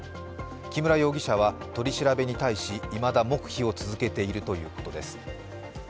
木村容疑者は取り調べに対しいまだ黙秘を続けているということです。